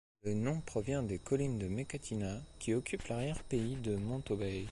Le nom provient des collines de Mécatina, qui occupent l'arrière-pays de Mutton Bay.